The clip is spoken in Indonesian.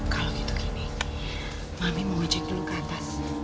kalau gitu gini mami mau ngejek dulu ke atas